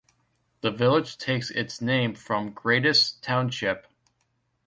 The village takes its name from Gratis Township.